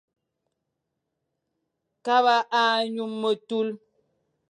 Kaba za nyum metul,